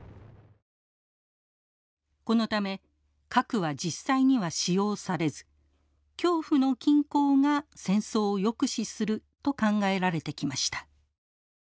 このため核は実際には使用されず恐怖の均衡が戦争を抑止すると考えられてきました。